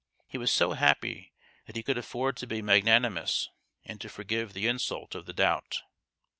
He was so happy that he could afford to be magnanimous and to forgive the insult of the doubt.